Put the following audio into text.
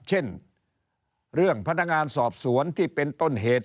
เช่นเรื่องพนักงานสอบสวนที่เป็นต้นเหตุ